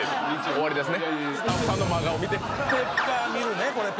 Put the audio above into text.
終わりですか？